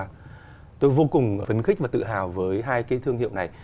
rất là vui mừng phấn khích và tự hào với hai cái thương hiệu này